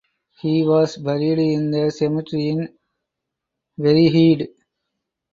He was buried in the cemetery in Vryheid.